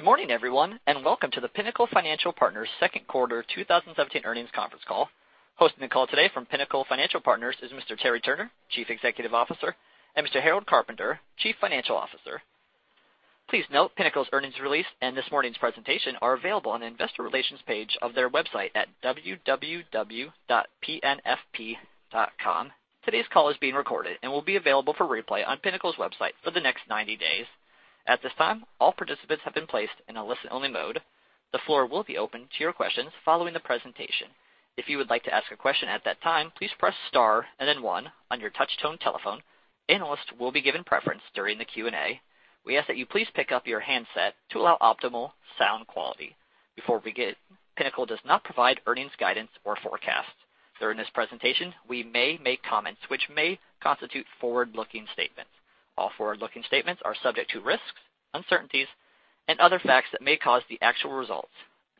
Good morning, everyone, and welcome to the Pinnacle Financial Partners second quarter 2017 earnings conference call. Hosting the call today from Pinnacle Financial Partners is Mr. Terry Turner, Chief Executive Officer, and Mr. Harold Carpenter, Chief Financial Officer. Please note, Pinnacle's earnings release and this morning's presentation are available on the investor relations page of their website at www.pnfp.com. Today's call is being recorded and will be available for replay on Pinnacle's website for the next 90 days. At this time, all participants have been placed in a listen-only mode. The floor will be open to your questions following the presentation. If you would like to ask a question at that time, please press star and then one on your touch-tone telephone. Analysts will be given preference during the Q&A. We ask that you please pick up your handset to allow optimal sound quality. Pinnacle does not provide earnings guidance or forecasts. During this presentation, we may make comments which may constitute forward-looking statements. All forward-looking statements are subject to risks, uncertainties, and other facts that may cause the actual results,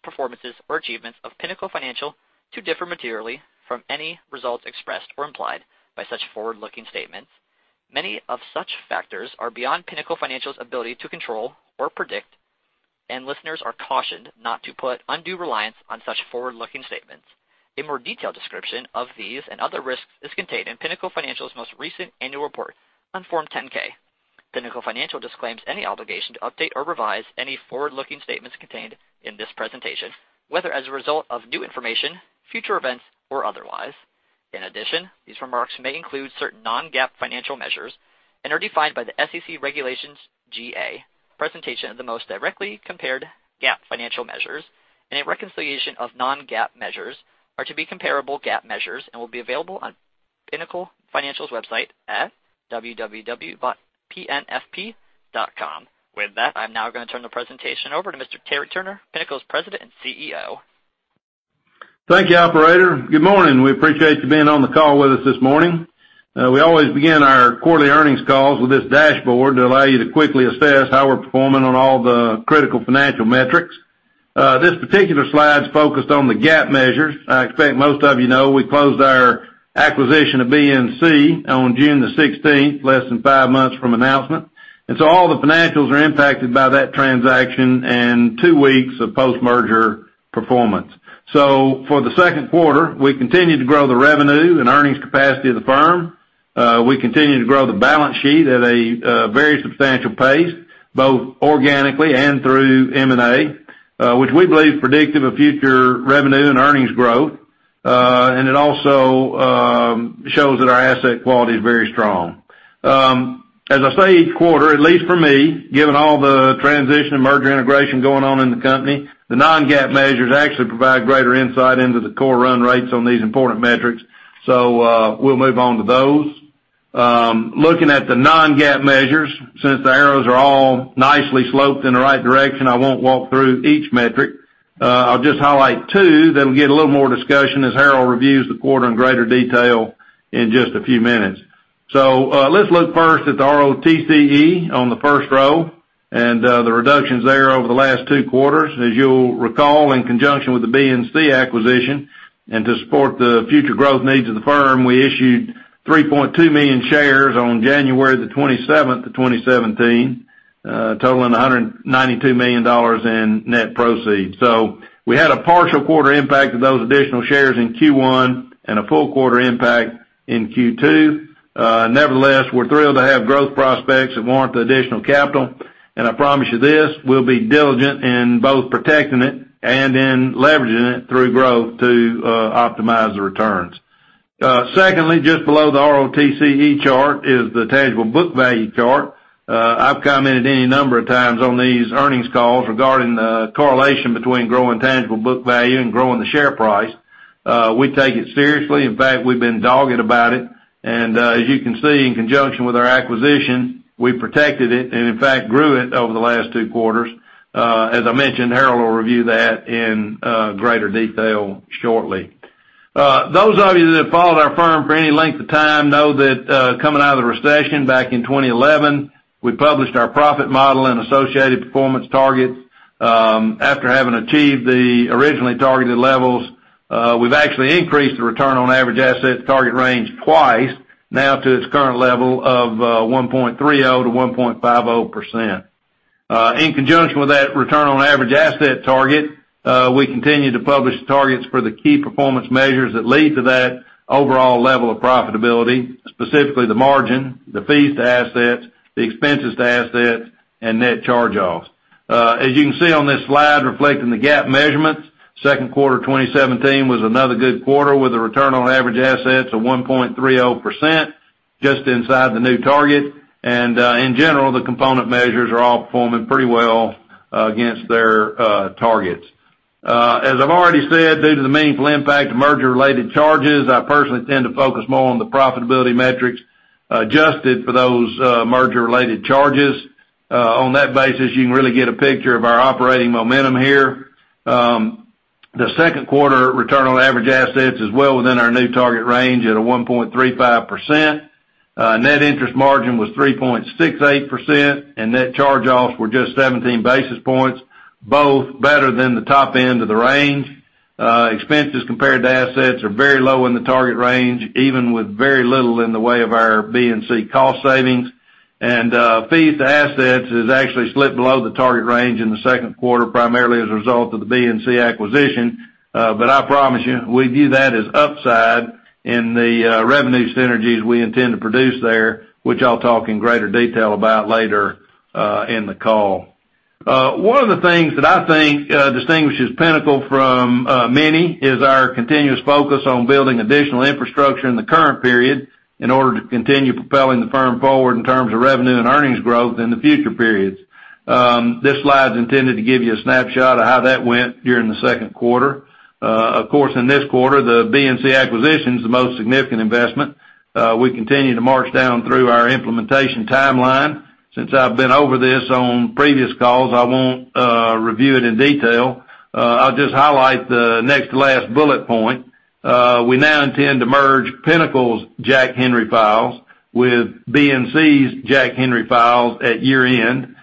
performances, or achievements of Pinnacle Financial to differ materially from any results expressed or implied by such forward-looking statements. Many of such factors are beyond Pinnacle Financial's ability to control or predict, and listeners are cautioned not to put undue reliance on such forward-looking statements. A more detailed description of these and other risks is contained in Pinnacle Financial's most recent annual report on Form 10-K. Pinnacle Financial disclaims any obligation to update or revise any forward-looking statements contained in this presentation, whether as a result of new information, future events, or otherwise. These remarks may include certain non-GAAP financial measures and are defined by the SEC Regulation G. Presentation of the most directly compared GAAP financial measures and a reconciliation of non-GAAP measures are to be comparable GAAP measures and will be available on Pinnacle Financial's website at www.pnfp.com. I'm now going to turn the presentation over to Mr. Terry Turner, Pinnacle's President and CEO. Thank you, operator. Good morning. We appreciate you being on the call with us this morning. We always begin our quarterly earnings calls with this dashboard to allow you to quickly assess how we're performing on all the critical financial metrics. This particular slide's focused on the GAAP measures. I expect most of you know we closed our acquisition of BNC on June the 16th, less than five months from announcement. All the financials are impacted by that transaction and two weeks of post-merger performance. For the second quarter, we continued to grow the revenue and earnings capacity of the firm. We continued to grow the balance sheet at a very substantial pace, both organically and through M&A, which we believe predictive of future revenue and earnings growth. It also shows that our asset quality is very strong. As I say, each quarter, at least for me, given all the transition and merger integration going on in the company, the non-GAAP measures actually provide greater insight into the core run rates on these important metrics. We'll move on to those. Looking at the non-GAAP measures, since the arrows are all nicely sloped in the right direction, I won't walk through each metric. I'll just highlight two that'll get a little more discussion as Harold reviews the quarter in greater detail in just a few minutes. Let's look first at the ROTCE on the first row and, the reductions there over the last two quarters. As you'll recall, in conjunction with the BNC acquisition and to support the future growth needs of the firm, we issued 3.2 million shares on January 27, 2017, totaling $192 million in net proceeds. We had a partial quarter impact of those additional shares in Q1 and a full quarter impact in Q2. Nevertheless, we're thrilled to have growth prospects that warrant the additional capital, and I promise you this, we'll be diligent in both protecting it and in leveraging it through growth to optimize the returns. Secondly, just below the ROTCE chart is the tangible book value chart. I've commented any number of times on these earnings calls regarding the correlation between growing tangible book value and growing the share price. We take it seriously. In fact, we've been dogged about it. As you can see, in conjunction with our acquisition, we protected it and, in fact, grew it over the last two quarters. As I mentioned, Harold will review that in greater detail shortly. Those of you that have followed our firm for any length of time know that, coming out of the recession back in 2011, we published our profit model and associated performance targets. After having achieved the originally targeted levels, we've actually increased the return on average assets target range twice, now to its current level of 1.30%-1.50%. In conjunction with that return on average asset target, we continue to publish targets for the key performance measures that lead to that overall level of profitability, specifically the margin, the fees to assets, the expenses to assets, and net charge-offs. As you can see on this slide reflecting the GAAP measurements, second quarter 2017 was another good quarter with a return on average assets of 1.30%, just inside the new target. In general, the component measures are all performing pretty well against their targets. As I've already said, due to the meaningful impact of merger-related charges, I personally tend to focus more on the profitability metrics adjusted for those merger-related charges. On that basis, you can really get a picture of our operating momentum here. The second quarter return on average assets is well within our new target range at 1.35%. Net interest margin was 3.68%, and net charge-offs were just 17 basis points, both better than the top end of the range. Expenses compared to assets are very low in the target range, even with very little in the way of our BNC cost savings. Fees to assets has actually slipped below the target range in the second quarter, primarily as a result of the BNC acquisition. I promise you, we view that as upside in the revenue synergies we intend to produce there, which I'll talk in greater detail about later in the call. One of the things that I think distinguishes Pinnacle from many is our continuous focus on building additional infrastructure in the current period in order to continue propelling the firm forward in terms of revenue and earnings growth in the future periods. This slide's intended to give you a snapshot of how that went during the second quarter. Of course, in this quarter, the BNC acquisition's the most significant investment. We continue to march down through our implementation timeline. Since I've been over this on previous calls, I won't review it in detail. I'll just highlight the next last bullet point. We now intend to merge Pinnacle's Jack Henry files with BNC's Jack Henry files at year-end,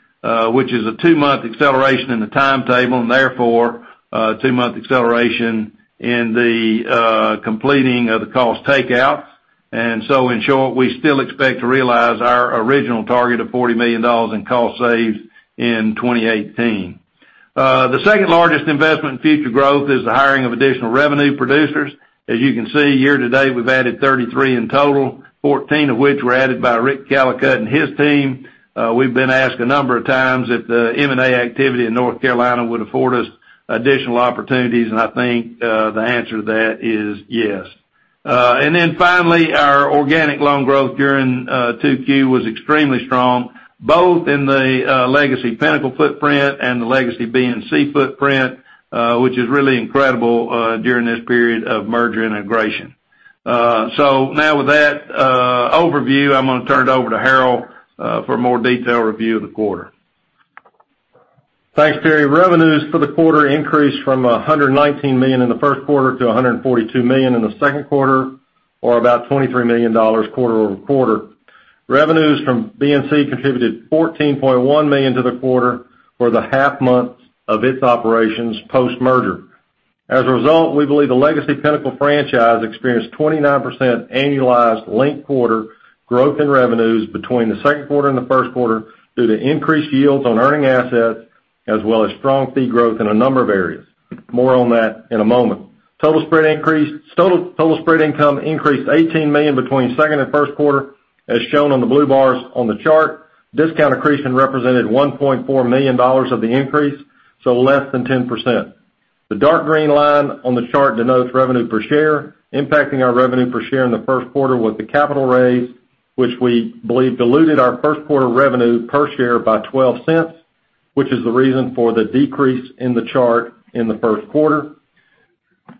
which is a two-month acceleration in the timetable, and therefore, a two-month acceleration in the completing of the cost takeouts. In short, we still expect to realize our original target of $40 million in cost saves in 2018. The second largest investment in future growth is the hiring of additional revenue producers. As you can see, year-to-date, we've added 33 in total, 14 of which were added by Rick Callicutt and his team. We've been asked a number of times if the M&A activity in North Carolina would afford us additional opportunities, I think, the answer to that is yes. Finally, our organic loan growth during Q2 was extremely strong, both in the legacy Pinnacle footprint and the legacy BNC footprint, which is really incredible during this period of merger integration. With that overview, I'm going to turn it over to Harold for a more detailed review of the quarter. Thanks, Terry. Revenues for the quarter increased from $119 million in the first quarter to $142 million in the second quarter, or about $23 million quarter-over-quarter. Revenues from BNC contributed $14.1 million to the quarter for the half months of its operations post-merger. As a result, we believe the legacy Pinnacle franchise experienced 29% annualized linked quarter growth in revenues between the second quarter and the first quarter due to increased yields on earning assets, as well as strong fee growth in a number of areas. More on that in a moment. Total spread income increased $18 million between second and first quarter, as shown on the blue bars on the chart. Discount accretion represented $1.4 million of the increase, less than 10%. The dark green line on the chart denotes revenue per share. Impacting our revenue per share in the first quarter was the capital raise, which we believe diluted our first quarter revenue per share by $0.12, which is the reason for the decrease in the chart in the first quarter.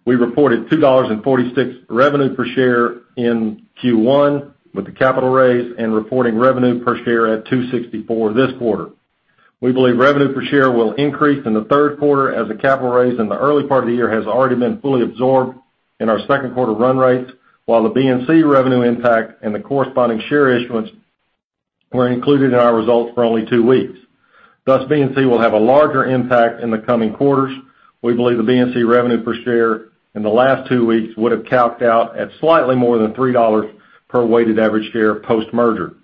We reported $2.46 revenue per share in Q1 with the capital raise and reporting revenue per share at $2.64 this quarter. We believe revenue per share will increase in the third quarter as the capital raise in the early part of the year has already been fully absorbed in our second quarter run rates, while the BNC revenue impact and the corresponding share issuance were included in our results for only two weeks. BNC will have a larger impact in the coming quarters. We believe the BNC revenue per share in the last two weeks would have calc'd out at slightly more than $3 per weighted average share post-merger.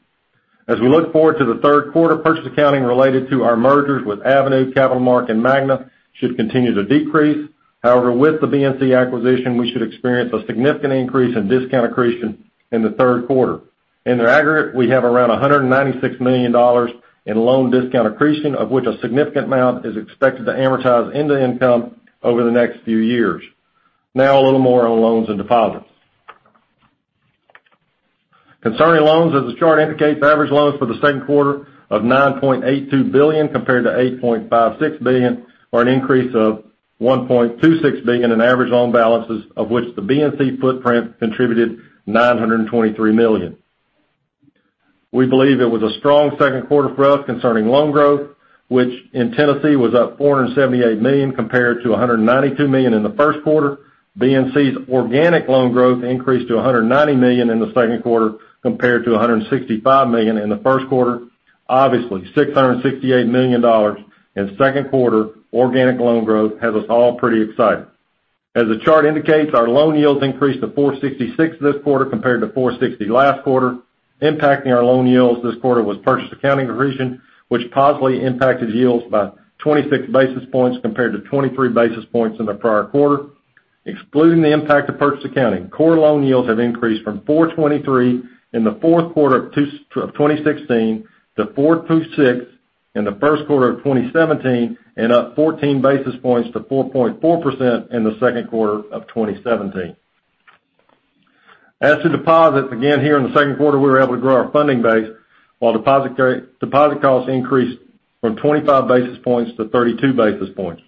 As we look forward to the third quarter, purchase accounting related to our mergers with Avenue, CapitalMark, and Magna should continue to decrease. With the BNC acquisition, we should experience a significant increase in discount accretion in the third quarter. In the aggregate, we have around $196 million in loan discount accretion, of which a significant amount is expected to amortize into income over the next few years. A little more on loans and deposits. Concerning loans, as the chart indicates, average loans for the second quarter of $9.82 billion compared to $8.56 billion, or an increase of $1.26 billion in average loan balances, of which the BNC footprint contributed $923 million. We believe it was a strong second quarter for us concerning loan growth, which in Tennessee was up $478 million compared to $192 million in the first quarter. BNC's organic loan growth increased to $196 million in the second quarter, compared to $165 million in the first quarter. $668 million in second quarter organic loan growth has us all pretty excited. As the chart indicates, our loan yields increased to 4.66 this quarter compared to 4.60 last quarter. Impacting our loan yields this quarter was purchase accounting accretion, which positively impacted yields by 26 basis points compared to 23 basis points in the prior quarter. Excluding the impact of purchase accounting, core loan yields have increased from 4.23 in the fourth quarter of 2016 to 4.26 in the first quarter of 2017, and up 14 basis points to 4.4% in the second quarter of 2017. As to deposits, again, here in the second quarter, we were able to grow our funding base while deposit costs increased from 25 basis points to 32 basis points.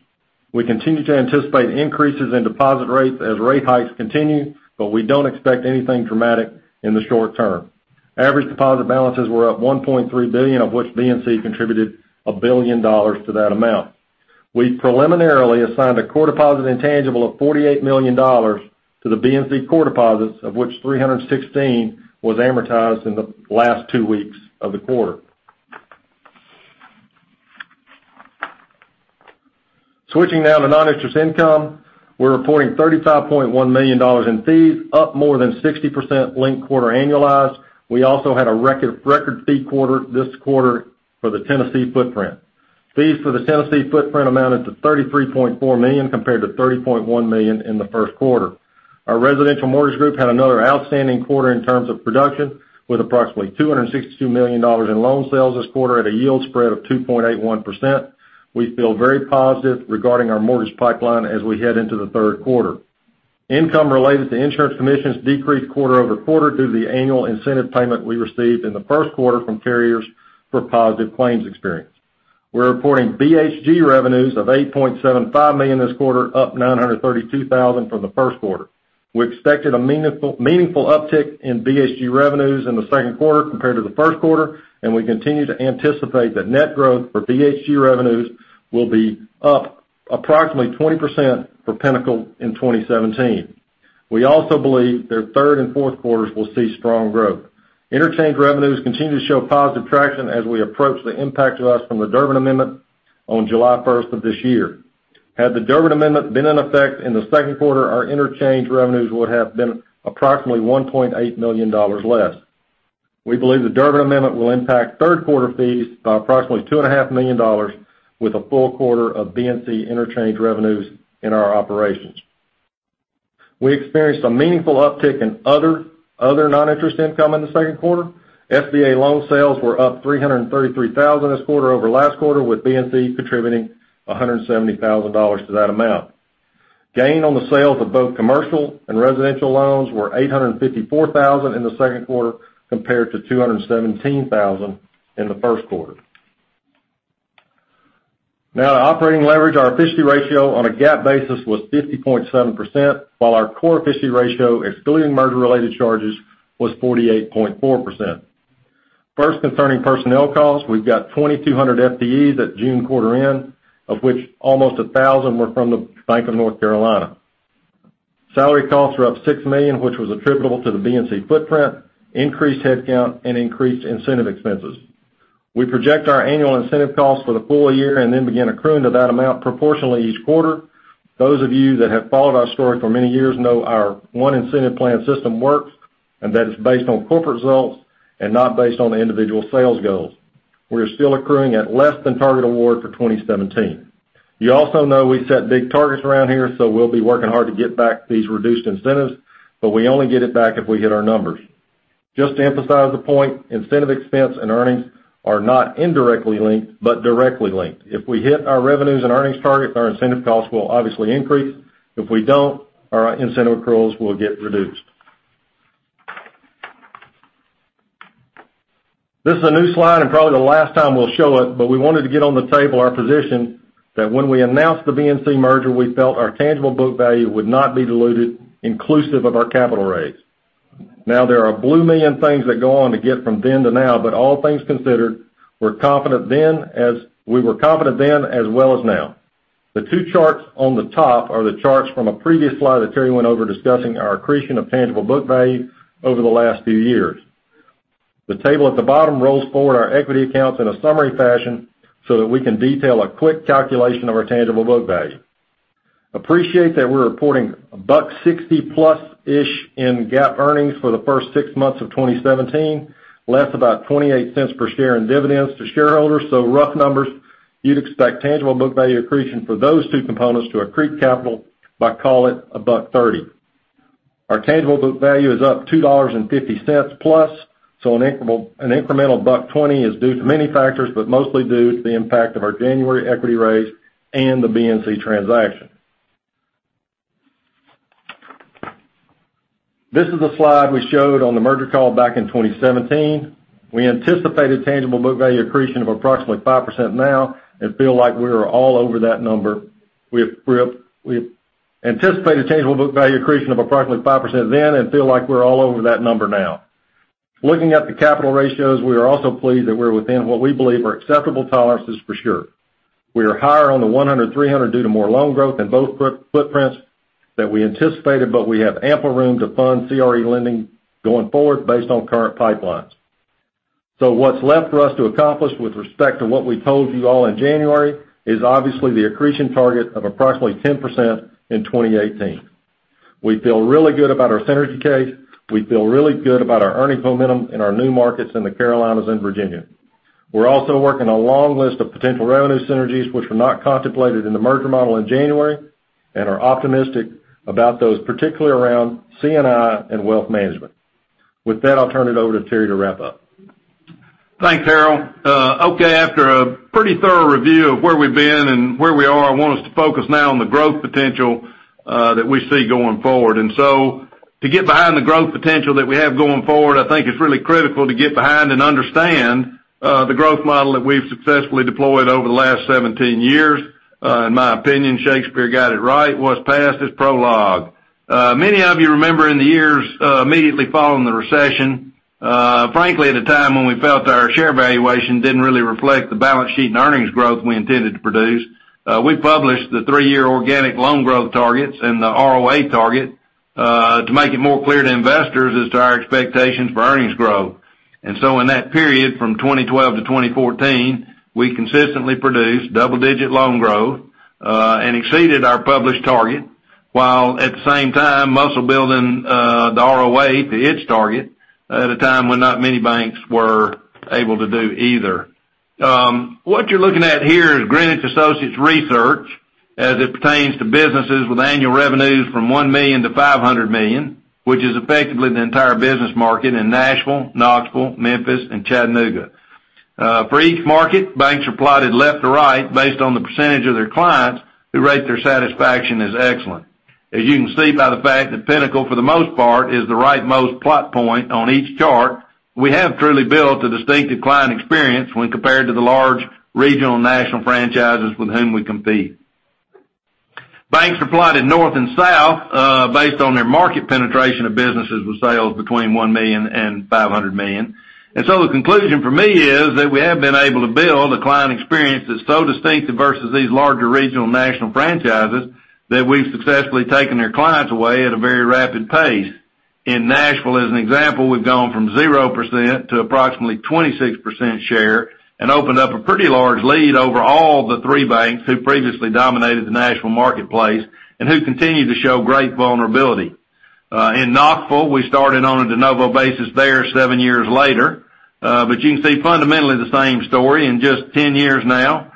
We continue to anticipate increases in deposit rates as rate hikes continue, we don't expect anything dramatic in the short term. Average deposit balances were up $1.3 billion, of which BNC contributed $1 billion to that amount. We preliminarily assigned a core deposit intangible of $48 million to the BNC core deposits, of which $316,000 was amortized in the last two weeks of the quarter. Switching now to non-interest income. We're reporting $35.1 million in fees, up more than 60% linked quarter annualized. We also had a record fee quarter this quarter for the Tennessee footprint. Fees for the Tennessee footprint amounted to $33.4 million, compared to $30.1 million in the first quarter. Our residential mortgage group had another outstanding quarter in terms of production, with approximately $262 million in loan sales this quarter at a yield spread of 2.81%. We feel very positive regarding our mortgage pipeline as we head into the third quarter. Income related to insurance commissions decreased quarter-over-quarter due to the annual incentive payment we received in the first quarter from carriers for positive claims experience. We're reporting Bankers Healthcare Group revenues of $8.75 million this quarter, up $932,000 from the first quarter. We expected a meaningful uptick in Bankers Healthcare Group revenues in the second quarter compared to the first quarter, and we continue to anticipate that net growth for Bankers Healthcare Group revenues will be up approximately 20% for Pinnacle Financial Partners in 2017. We also believe their third and fourth quarters will see strong growth. Interchange revenues continue to show positive traction as we approach the impact to us from the Durbin amendment on July 1 of this year. Had the Durbin amendment been in effect in the second quarter, our interchange revenues would have been approximately $1.8 million less. We believe the Durbin amendment will impact third quarter fees by approximately $2.5 million, with a full quarter of BNC interchange revenues in our operations. We experienced a meaningful uptick in other non-interest income in the second quarter. SBA loan sales were up $333,000 this quarter over last quarter, with BNC contributing $170,000 to that amount. Gain on the sales of both commercial and residential loans were $854,000 in the second quarter, compared to $217,000 in the first quarter. To operating leverage. Our efficiency ratio on a GAAP basis was 50.7%, while our core efficiency ratio, excluding merger-related charges, was 48.4%. First, concerning personnel costs, we've got 2,200 FTEs at June quarter end, of which almost 1,000 were from the Bank of North Carolina. Salary costs are up $6 million, which was attributable to the BNC footprint, increased headcount, and increased incentive expenses. We project our annual incentive costs for the full year and then begin accruing to that amount proportionally each quarter. Those of you that have followed our story for many years know our one incentive plan system works, and that it's based on corporate results and not based on the individual sales goals. We are still accruing at less than target award for 2017. You also know we set big targets around here, so we'll be working hard to get back these reduced incentives, but we only get it back if we hit our numbers. Just to emphasize the point, incentive expense and earnings are not indirectly linked but directly linked. If we hit our revenues and earnings targets, our incentive costs will obviously increase. If we don't, our incentive accruals will get reduced. This is a new slide and probably the last time we'll show it, but we wanted to get on the table our position that when we announced the BNC merger, we felt our tangible book value would not be diluted, inclusive of our capital raise. There are a blue million things that go on to get from then to now, but all things considered, we were confident then as well as now. The two charts on the top are the charts from a previous slide that Terry went over discussing our accretion of tangible book value over the last few years. The table at the bottom rolls forward our equity accounts in a summary fashion so that we can detail a quick calculation of our tangible book value. Appreciate that we are reporting a $1.60 plus-ish in GAAP earnings for the first six months of 2017, less about $0.28 per share in dividends to shareholders. Rough numbers, you would expect tangible book value accretion for those two components to accrete capital by, call it, $1.30. Our tangible book value is up $2.50 plus, an incremental $1.20 is due to many factors, but mostly due to the impact of our January equity raise and the BNC transaction. This is a slide we showed on the merger call back in 2017. We anticipated tangible book value accretion of approximately 5% now and feel like we were all over that number. We anticipated tangible book value accretion of approximately 5% then and feel like we are all over that number now. Looking at the capital ratios, we are also pleased that we are within what we believe are acceptable tolerances for sure. We are higher on the 100, 300 due to more loan growth in both footprints than we anticipated, but we have ample room to fund CRE lending going forward based on current pipelines. What is left for us to accomplish with respect to what we told you all in January is obviously the accretion target of approximately 10% in 2018. We feel really good about our synergy case. We feel really good about our earnings momentum in our new markets in the Carolinas and Virginia. We are also working a long list of potential revenue synergies which were not contemplated in the merger model in January and are optimistic about those, particularly around C&I and wealth management. With that, I will turn it over to Terry to wrap up. Thanks, Harold. Okay. After a pretty thorough review of where we have been and where we are, I want us to focus now on the growth potential that we see going forward. To get behind the growth potential that we have going forward, I think it is really critical to get behind and understand the growth model that we have successfully deployed over the last 17 years. In my opinion, Shakespeare got it right, "What is Past Is Prologue." Many of you remember in the years immediately following the recession, frankly, at a time when we felt our share valuation did not really reflect the balance sheet and earnings growth we intended to produce, we published the three-year organic loan growth targets and the ROA target to make it more clear to investors as to our expectations for earnings growth. In that period, from 2012 to 2014, we consistently produced double-digit loan growth and exceeded our published target, while at the same time, muscle building the ROA to its target at a time when not many banks were able to do either. What you are looking at here is Greenwich Associates Research, as it pertains to businesses with annual revenues from $1 million to $500 million, which is effectively the entire business market in Nashville, Knoxville, Memphis, and Chattanooga. For each market, banks are plotted left to right based on the percentage of their clients who rate their satisfaction as excellent. As you can see by the fact that Pinnacle, for the most part, is the right-most plot point on each chart, we have truly built a distinctive client experience when compared to the large regional and national franchises with whom we compete. Banks are plotted north and south, based on their market penetration of businesses with sales between $1 million and $500 million. The conclusion for me is that we have been able to build a client experience that's so distinctive versus these larger regional national franchises, that we've successfully taken their clients away at a very rapid pace. In Nashville, as an example, we've gone from 0% to approximately 26% share, and opened up a pretty large lead over all the three banks who previously dominated the Nashville marketplace, and who continue to show great vulnerability. In Knoxville, we started on a de novo basis there seven years later. You can see fundamentally the same story. In just 10 years now,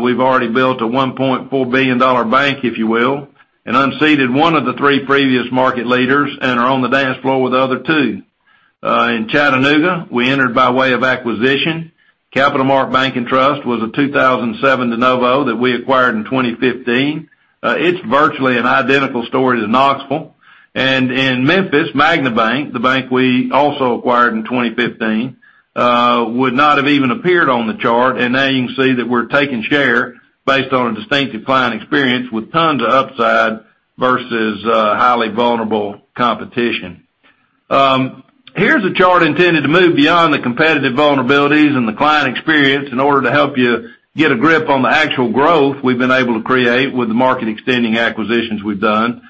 we've already built a $1.4 billion bank, if you will, and unseated one of the three previous market leaders and are on the dance floor with the other two. In Chattanooga, we entered by way of acquisition. CapitalMark Bank & Trust was a 2007 de novo that we acquired in 2015. It's virtually an identical story to Knoxville. In Memphis, Magna Bank, the bank we also acquired in 2015, would not have even appeared on the chart, and now you can see that we're taking share based on a distinctive client experience with tons of upside versus highly vulnerable competition. Here's a chart intended to move beyond the competitive vulnerabilities and the client experience in order to help you get a grip on the actual growth we've been able to create with the market-extending acquisitions we've done,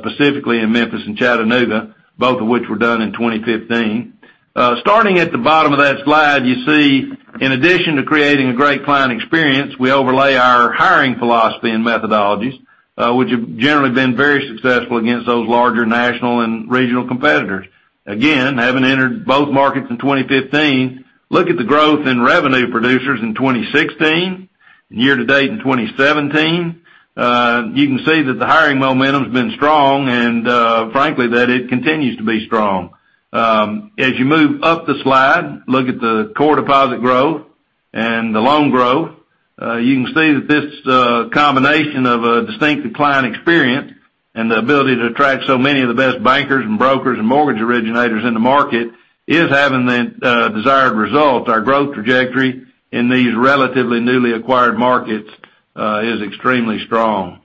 specifically in Memphis and Chattanooga, both of which were done in 2015. Starting at the bottom of that slide, you see in addition to creating a great client experience, we overlay our hiring philosophy and methodologies, which have generally been very successful against those larger national and regional competitors. Again, having entered both markets in 2015, look at the growth in revenue producers in 2016 and year to date in 2017. You can see that the hiring momentum's been strong and, frankly, that it continues to be strong. As you move up the slide, look at the core deposit growth and the loan growth. You can see that this combination of a distinctive client experience and the ability to attract so many of the best bankers and brokers and mortgage originators in the market is having the desired results. Our growth trajectory in these relatively newly acquired markets is extremely strong.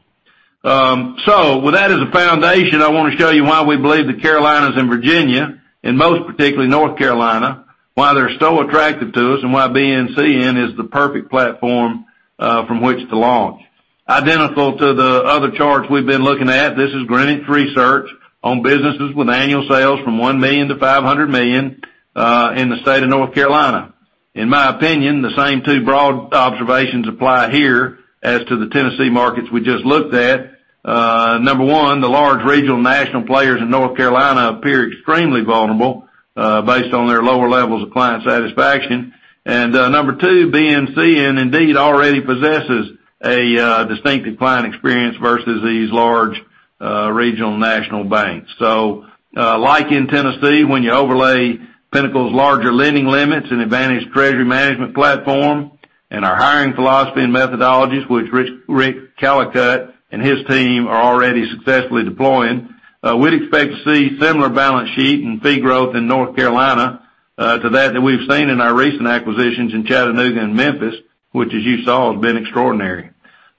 With that as a foundation, I want to show you why we believe the Carolinas and Virginia, and most particularly North Carolina, why they're so attractive to us, and why BNCN is the perfect platform from which to launch. Identical to the other charts we've been looking at, this is Greenwich Associates on businesses with annual sales from $1 million to $500 million in the state of North Carolina. In my opinion, the same two broad observations apply here as to the Tennessee markets we just looked at. Number one, the large regional national players in North Carolina appear extremely vulnerable based on their lower levels of client satisfaction. Number two, BNCN indeed already possesses a distinctive client experience versus these large regional national banks. Like in Tennessee, when you overlay Pinnacle's larger lending limits and advantage treasury management platform and our hiring philosophy and methodologies, which Rick Callicutt and his team are already successfully deploying, we'd expect to see similar balance sheet and fee growth in North Carolina, to that we've seen in our recent acquisitions in Chattanooga and Memphis, which as you saw, has been extraordinary.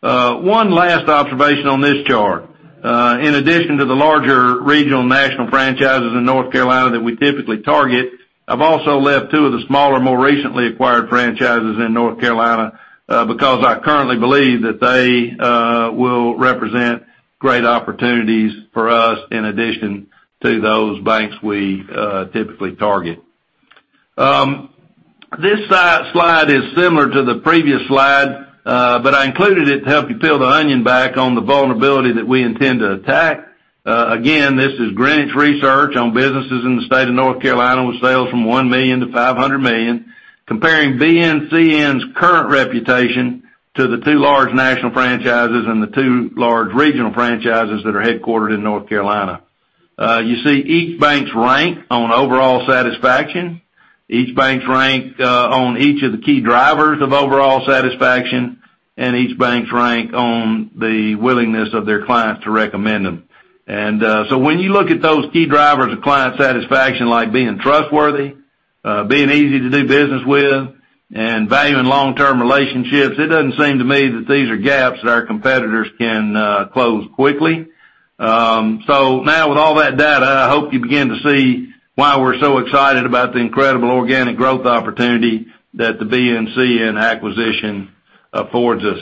One last observation on this chart. In addition to the larger regional national franchises in North Carolina that we typically target, I've also left two of the smaller, more recently acquired franchises in North Carolina, because I currently believe that they will represent great opportunities for us in addition to those banks we typically target. This slide is similar to the previous slide, I included it to help you peel the onion back on the vulnerability that we intend to attack. Again, this is Greenwich Associates on businesses in the state of North Carolina with sales from $1 million to $500 million, comparing BNCN's current reputation to the two large national franchises and the two large regional franchises that are headquartered in North Carolina. You see each bank's rank on overall satisfaction, each bank's rank on each of the key drivers of overall satisfaction, and each bank's rank on the willingness of their clients to recommend them. When you look at those key drivers of client satisfaction like being trustworthy, being easy to do business with, and value in long-term relationships, it doesn't seem to me that these are gaps that our competitors can close quickly. With all that data, I hope you begin to see why we're so excited about the incredible organic growth opportunity that the BNCN acquisition affords us.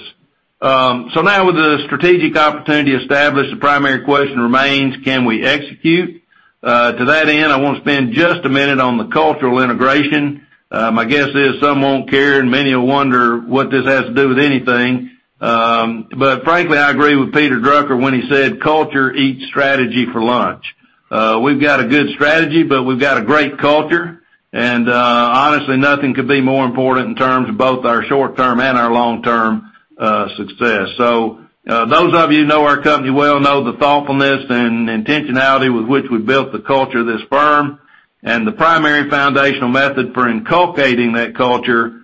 With the strategic opportunity established, the primary question remains: Can we execute? To that end, I want to spend just a minute on the cultural integration. My guess is some won't care, and many will wonder what this has to do with anything. Frankly, I agree with Peter Drucker when he said, "Culture eats strategy for lunch." We've got a good strategy, but we've got a great culture, and honestly, nothing could be more important in terms of both our short-term and our long-term success. Those of you who know our company well know the thoughtfulness and intentionality with which we built the culture of this firm, and the primary foundational method for inculcating that culture,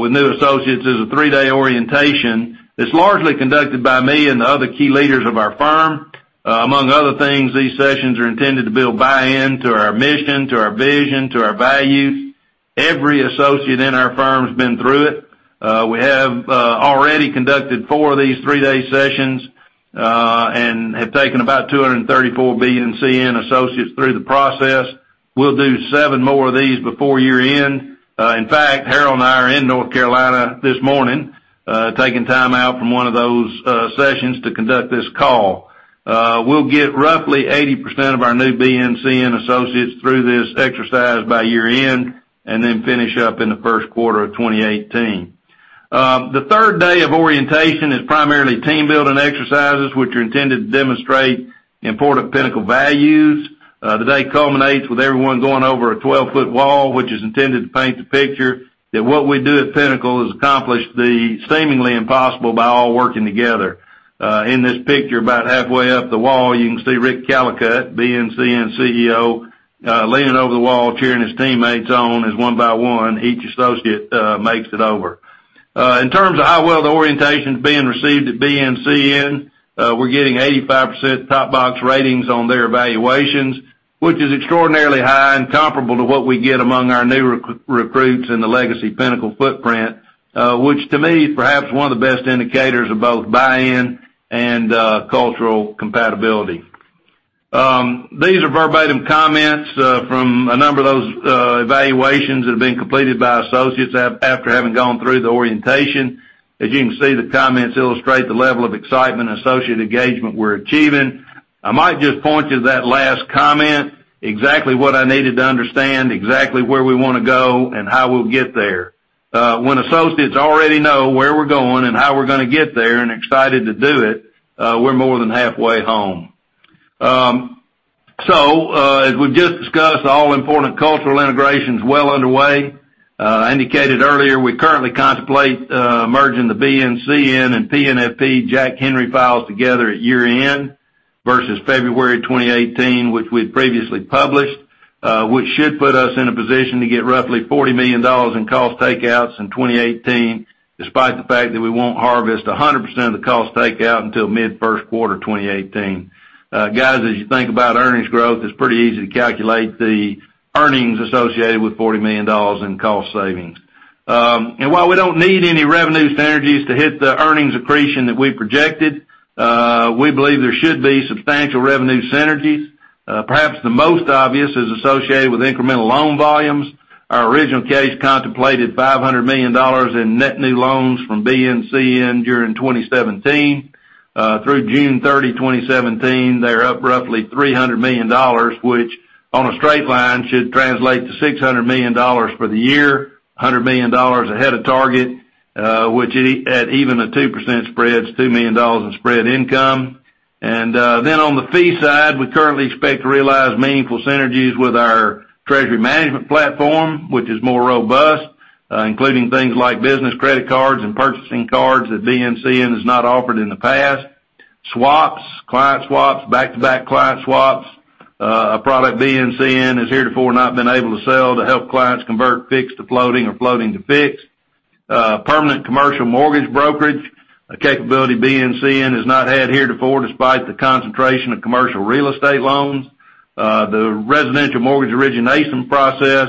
with new associates is a three-day orientation. It's largely conducted by me and the other key leaders of our firm. Among other things, these sessions are intended to build buy-in to our mission, to our vision, to our values. Every associate in our firm has been through it. We have already conducted four of these three-day sessions, and have taken about 234 BNCN associates through the process. We'll do seven more of these before year-end. In fact, Harold and I are in North Carolina this morning, taking time out from one of those sessions to conduct this call. We'll get roughly 80% of our new BNCN associates through this exercise by year-end, and then finish up in the first quarter of 2018. The third day of orientation is primarily team-building exercises, which are intended to demonstrate important Pinnacle values. The day culminates with everyone going over a 12-foot wall, which is intended to paint the picture that what we do at Pinnacle is accomplish the seemingly impossible by all working together. In this picture, about halfway up the wall, you can see Rick Callicutt, BNCN CEO, leaning over the wall, cheering his teammates on as one by one each associate makes it over. In terms of how well the orientation's being received at BNCN, we're getting 85% top box ratings on their evaluations, which is extraordinarily high and comparable to what we get among our new recruits in the legacy Pinnacle footprint, which to me, is perhaps one of the best indicators of both buy-in and cultural compatibility. These are verbatim comments from a number of those evaluations that have been completed by associates after having gone through the orientation. As you can see, the comments illustrate the level of excitement and associate engagement we're achieving. I might just point to that last comment, "Exactly what I needed to understand exactly where we want to go and how we'll get there." When associates already know where we're going and how we're going to get there and excited to do it, we're more than halfway home. As we've just discussed, all important cultural integration is well underway. I indicated earlier, we currently contemplate merging the BNCN and PNFP Jack Henry files together at year-end versus February 2018, which we'd previously published, which should put us in a position to get roughly $40 million in cost takeouts in 2018, despite the fact that we won't harvest 100% of the cost takeout until mid first quarter 2018. Guys, as you think about earnings growth, it's pretty easy to calculate the earnings associated with $40 million in cost savings. And while we don't need any revenue synergies to hit the earnings accretion that we've projected, we believe there should be substantial revenue synergies. Perhaps the most obvious is associated with incremental loan volumes. Our original case contemplated $500 million in net new loans from BNCN during 2017. Through June 30, 2017, they're up roughly $300 million, which on a straight line should translate to $600 million for the year, $100 million ahead of target, which at even a 2% spread is $2 million in spread income. And then on the fee side, we currently expect to realize meaningful synergies with our treasury management platform, which is more robust, including things like business credit cards and purchasing cards that BNCN has not offered in the past. Swaps, client swaps, back-to-back client swaps, a product BNCN has heretofore not been able to sell to help clients convert fixed to floating or floating to fixed. Permanent commercial mortgage brokerage, a capability BNCN has not had heretofore despite the concentration of commercial real estate loans. The residential mortgage origination process,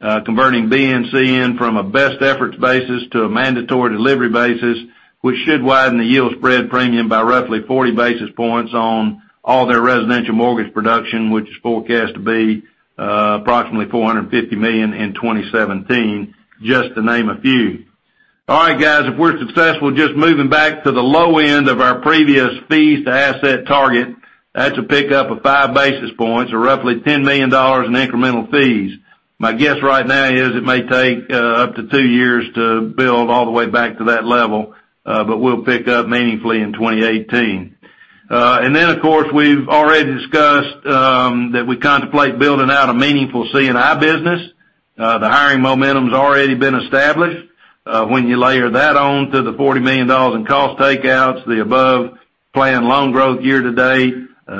converting BNCN from a best efforts basis to a mandatory delivery basis, which should widen the yield spread premium by roughly 40 basis points on all their residential mortgage production, which is forecast to be approximately $450 million in 2017, just to name a few. All right, guys, if we're successful just moving back to the low end of our previous fees to asset target, that's a pick-up of five basis points or roughly $10 million in incremental fees. My guess right now is it may take up to two years to build all the way back to that level, but we'll pick up meaningfully in 2018. Of course, we've already discussed that we contemplate building out a meaningful C&I business. The hiring momentum's already been established. When you layer that on to the $40 million in cost takeouts, the above plan loan growth year to date,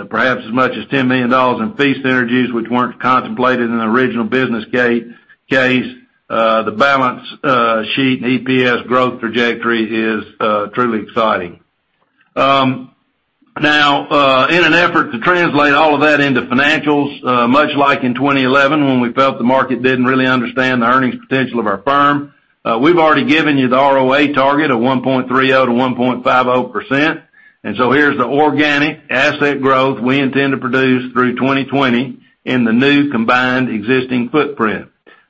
perhaps as much as $10 million in fee synergies which weren't contemplated in the original business case. The balance sheet and EPS growth trajectory is truly exciting. Now, in an effort to translate all of that into financials, much like in 2011 when we felt the market didn't really understand the earnings potential of our firm, we've already given you the ROA target of 1.30%-1.50%. Here's the organic asset growth we intend to produce through 2020 in the new combined existing footprint.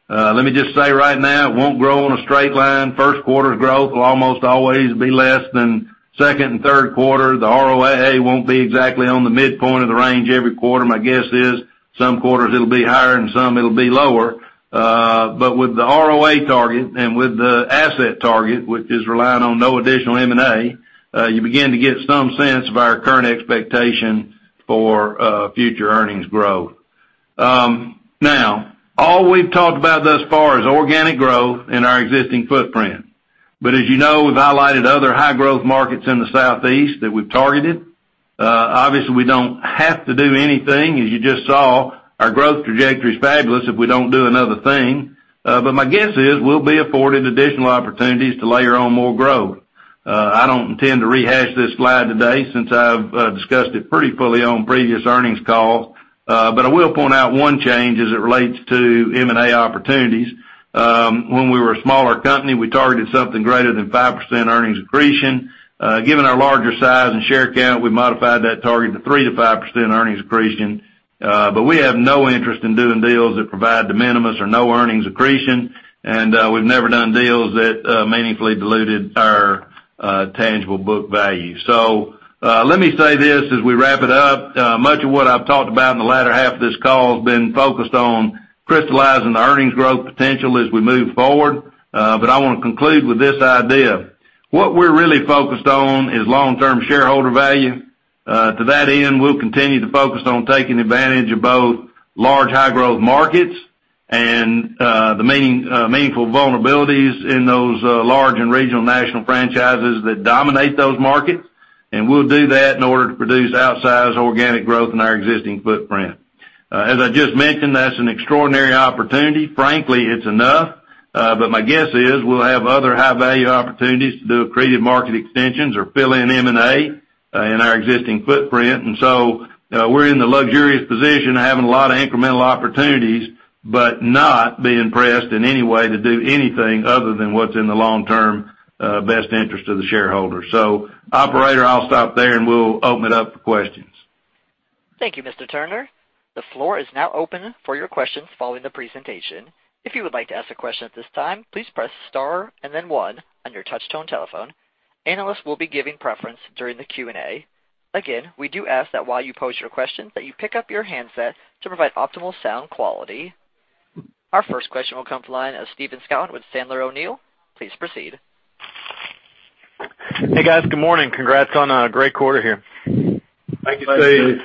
Let me just say right now, it won't grow in a straight line. First quarter's growth will almost always be less than second and third quarter. The ROA won't be exactly on the midpoint of the range every quarter. My guess is some quarters it'll be higher and some it'll be lower. With the ROA target and with the asset target, which is relying on no additional M&A, you begin to get some sense of our current expectation for future earnings growth. Now, all we've talked about thus far is organic growth in our existing footprint. As you know, we've highlighted other high growth markets in the southeast that we've targeted. Obviously, we don't have to do anything. As you just saw, our growth trajectory is fabulous if we don't do another thing. My guess is we'll be afforded additional opportunities to layer on more growth. I don't intend to rehash this slide today since I've discussed it pretty fully on previous earnings calls. I will point out one change as it relates to M&A opportunities. When we were a smaller company, we targeted something greater than 5% earnings accretion. Given our larger size and share count, we modified that target to 3%-5% earnings accretion. We have no interest in doing deals that provide de minimis or no earnings accretion, and we've never done deals that meaningfully diluted our tangible book value. Let me say this as we wrap it up. Much of what I've talked about in the latter half of this call has been focused on crystallizing the earnings growth potential as we move forward. I want to conclude with this idea. What we're really focused on is long-term shareholder value. To that end, we'll continue to focus on taking advantage of both large high growth markets and the meaningful vulnerabilities in those large and regional national franchises that dominate those markets. We'll do that in order to produce outsized organic growth in our existing footprint. As I just mentioned, that's an extraordinary opportunity. Frankly, it's enough. My guess is we'll have other high-value opportunities to do accretive market extensions or fill in M&A in our existing footprint. We're in the luxurious position of having a lot of incremental opportunities, but not being pressed in any way to do anything other than what's in the long-term best interest of the shareholder. Operator, I'll stop there, and we'll open it up for questions. Thank you, Mr. Turner. The floor is now open for your questions following the presentation. If you would like to ask a question at this time, please press star and then one on your touch-tone telephone. Analysts will be given preference during the Q&A. Again, we do ask that while you pose your question, that you pick up your handset to provide optimal sound quality. Our first question will come from the line of Stephen Scouten with Sandler O'Neill. Please proceed. Hey, guys. Good morning. Congrats on a great quarter here. Thank you, Steve.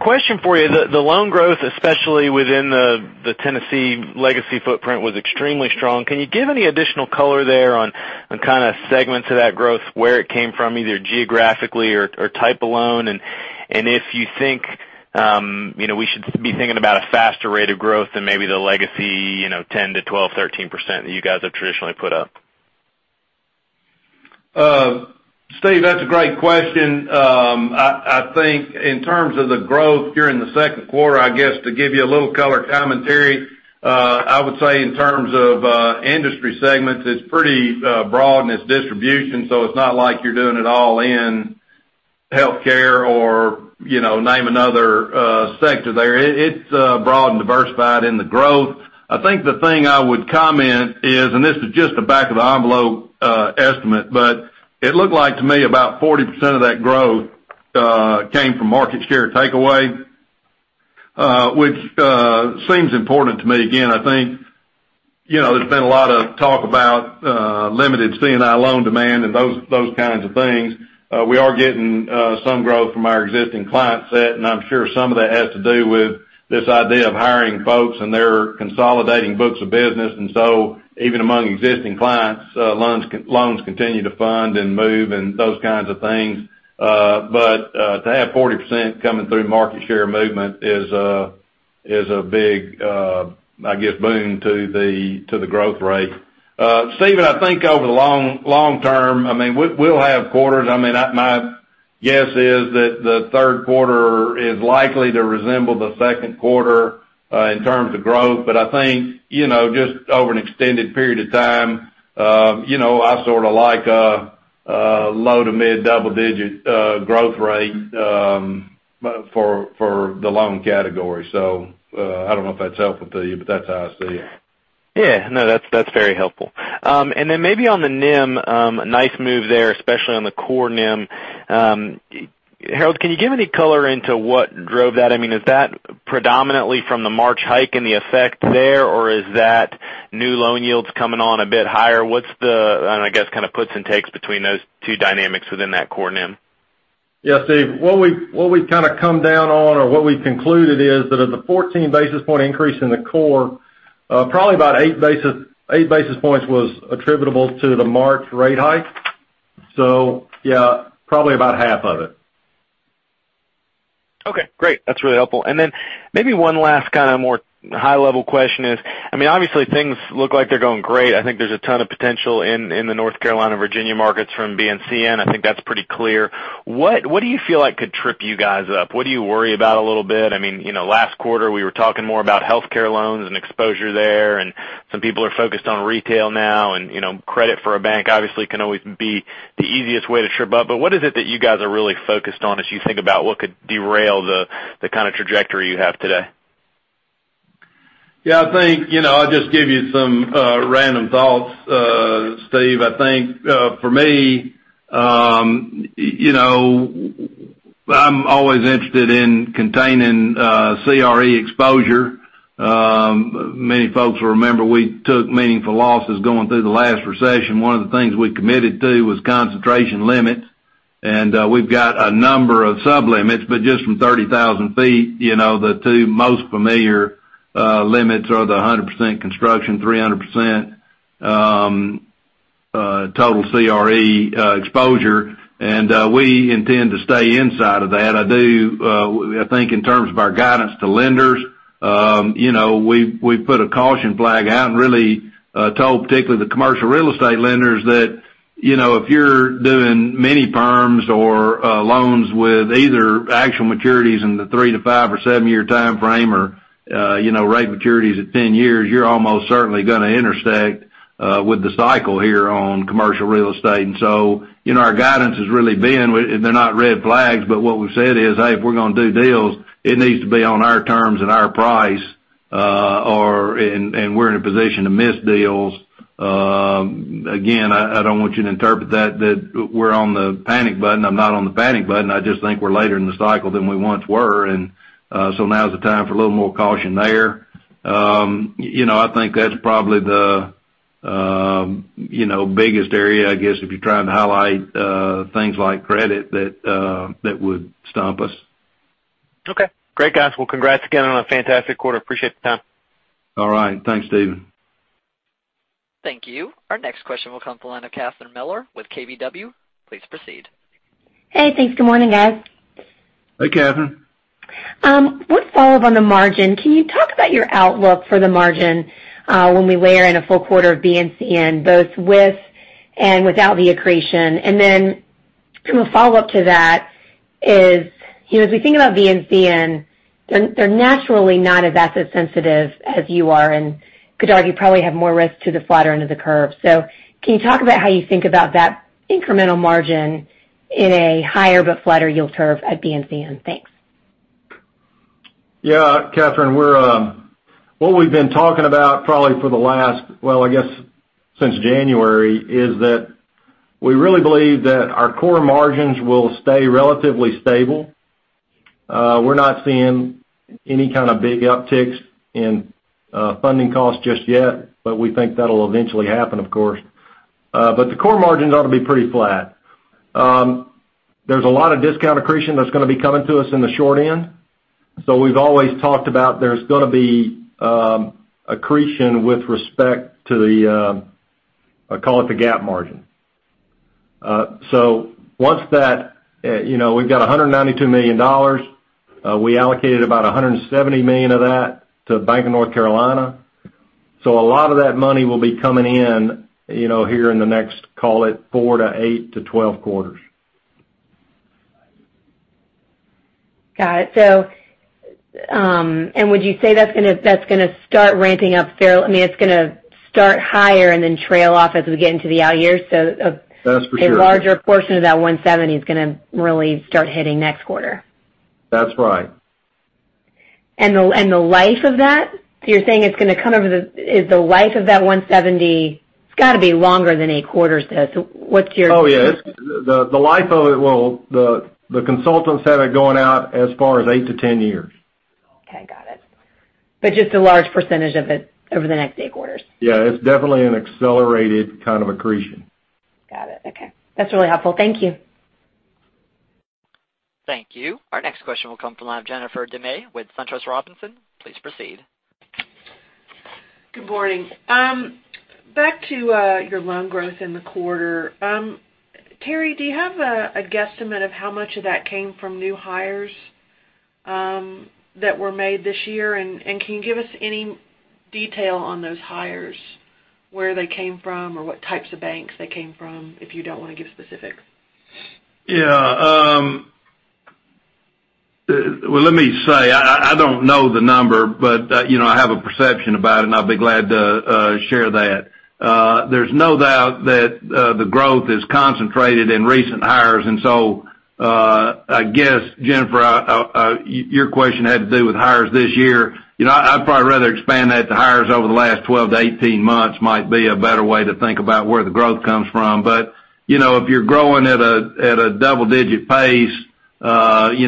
Question for you. The loan growth, especially within the Tennessee legacy footprint, was extremely strong. Can you give any additional color there on segments of that growth, where it came from, either geographically or type of loan? If you think we should be thinking about a faster rate of growth than maybe the legacy 10% to 12%, 13% that you guys have traditionally put up. Stephen, that's a great question. I think in terms of the growth here in the second quarter, I guess to give you a little color commentary, I would say in terms of industry segments, it's pretty broad in its distribution. It's not like you're doing it all in healthcare or name another sector there. It's broad and diversified in the growth. I think the thing I would comment is, this is just a back-of-the-envelope estimate, but it looked like to me about 40% of that growth came from market share takeaway, which seems important to me. Again, I think there's been a lot of talk about limited C&I loan demand and those kinds of things. We are getting some growth from our existing client set, I'm sure some of that has to do with this idea of hiring folks, and they're consolidating books of business. Even among existing clients, loans continue to fund and move and those kinds of things. To have 40% coming through market share movement is a big, I guess, boon to the growth rate. Stephen, I think over the long term, we'll have quarters. My guess is that the third quarter is likely to resemble the second quarter in terms of growth. I think, just over an extended period of time, I sort of like a low to mid double-digit growth rate for the loan category. I don't know if that's helpful to you, but that's how I see it. Yeah. No, that's very helpful. Then maybe on the NIM, nice move there, especially on the core NIM. Harold, can you give any color into what drove that? Is that predominantly from the March hike and the effect there, or is that new loan yields coming on a bit higher? What's the, I guess, kind of puts and takes between those two dynamics within that core NIM? Stephen, what we've kind of come down on or what we've concluded is that of the 14 basis points increase in the core, probably about 8 basis points was attributable to the March rate hike. Yeah, probably about half of it. Okay, great. That's really helpful. Then maybe one last kind of more high-level question is, obviously things look like they're going great. I think there's a ton of potential in the North Carolina, Virginia markets from BNCN. I think that's pretty clear. What do you feel like could trip you guys up? What do you worry about a little bit? Last quarter, we were talking more about healthcare loans and exposure there. Some people are focused on retail now. Credit for a bank obviously can always be the easiest way to trip up. What is it that you guys are really focused on as you think about what could derail the kind of trajectory you have today? Yeah, I think, I'll just give you some random thoughts, Stephen. I think, for me, I'm always interested in containing CRE exposure. Many folks will remember we took meaningful losses going through the last recession. One of the things we committed to was concentration limits, and we've got a number of sub-limits, but just from 30,000 feet, the two most familiar limits are the 100% construction, 300% total CRE exposure. We intend to stay inside of that. I do think in terms of our guidance to lenders, we've put a caution flag out and really told particularly the commercial real estate lenders that, if you're doing many firms or loans with either actual maturities in the three to five or seven-year timeframe or rate maturities at 10 years, you're almost certainly going to intersect with the cycle here on commercial real estate. Our guidance has really been, they're not red flags, what we've said is, "Hey, if we're going to do deals, it needs to be on our terms and our price," we're in a position to miss deals. Again, I don't want you to interpret that we're on the panic button. I'm not on the panic button. I just think we're later in the cycle than we once were. Now is the time for a little more caution there. I think that's probably the biggest area, I guess, if you're trying to highlight things like credit that would stump us. Okay. Great, guys. Well, congrats again on a fantastic quarter. Appreciate the time. All right. Thanks, Stephen. Thank you. Our next question will come from the line of Catherine Mealor with KBW. Please proceed. Hey, thanks. Good morning, guys. Hey, Catherine. I want to follow up on the margin. Can you talk about your outlook for the margin when we layer in a full quarter of BNCN, both with and without the accretion? Then kind of a follow-up to that is, as we think about BNCN, they're naturally not as asset sensitive as you are, and could argue probably have more risk to the flatter end of the curve. Can you talk about how you think about that incremental margin in a higher but flatter yield curve at BNCN? Thanks. Yeah, Catherine. What we've been talking about probably for the last, well, I guess since January, is that we really believe that our core margins will stay relatively stable. We're not seeing any kind of big upticks in funding costs just yet, but we think that'll eventually happen, of course. The core margins ought to be pretty flat. There's a lot of discount accretion that's going to be coming to us in the short end. We've always talked about there's going to be accretion with respect to the, call it the GAAP margin. We've got $192 million. We allocated about $170 million of that to Bank of North Carolina. A lot of that money will be coming in here in the next, call it four to eight to 12 quarters. Got it. Would you say that's going to start higher and then trail off as we get into the out years? That's for sure. A larger portion of that $170 is going to really start hitting next quarter. That's right. The life of that, you're saying it's going to come over the, is the life of that $170, it's got to be longer than eight quarters, though. Oh, yeah. The life of it, well, the consultants have it going out as far as eight to 10 years. Okay. Got it. Just a large percentage of it over the next eight quarters. Yeah. It's definitely an accelerated kind of accretion. Got it. Okay. That's really helpful. Thank you. Thank you. Our next question will come from the line of Jennifer Demba with SunTrust Robinson. Please proceed. Good morning. Back to your loan growth in the quarter. Terry, do you have a guesstimate of how much of that came from new hires that were made this year? Can you give us any detail on those hires, where they came from or what types of banks they came from, if you don't want to give specifics? Well, let me say, I don't know the number, but I have a perception about it, and I'll be glad to share that. There's no doubt that the growth is concentrated in recent hires. I guess, Jennifer Demba, your question had to do with hires this year. I'd probably rather expand that to hires over the last 12 to 18 months, might be a better way to think about where the growth comes from. If you're growing at a double-digit pace, say